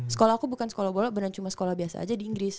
sekolah aku bukan sekolah bola bukan cuma sekolah biasa aja di inggris